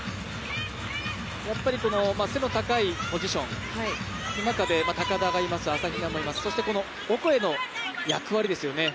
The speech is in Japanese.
この背の高いポジションの中で、高田がいて、朝比奈もいますそしてこのオコエの役割ですよね。